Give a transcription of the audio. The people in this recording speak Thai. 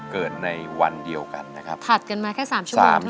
เกิดในวันเดียวกันนะครับถัดกันมาแค่สามชั่วโมง